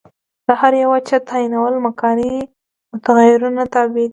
د هر یوه چت تعینول مکاني متغیرونو تابع دي.